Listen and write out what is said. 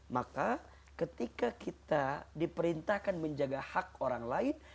maka ketika kita diperintahkan menjaga hak orang lain